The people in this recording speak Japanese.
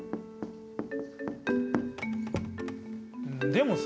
でもさ